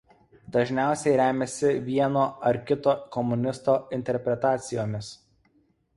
Dažniausiai remiasi vieno ar kito komunisto interpretacijomis.